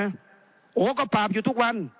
โหคือพาบอยู่ทุกวัน